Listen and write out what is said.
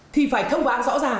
thì phải thông báo rõ ràng